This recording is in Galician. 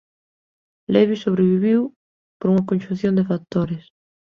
Levi sobreviviu por unha conxunción de factores.